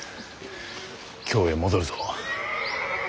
京へ戻るぞ。